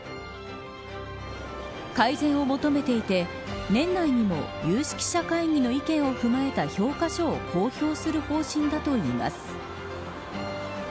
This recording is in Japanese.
改善を求めていて年内にも有識者会議の意見を踏まえた評価書を公表する方針だといいます。